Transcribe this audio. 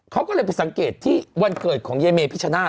เขาก็เลยไปสังเกตที่วันเกิดของยายเมพิชนาธิ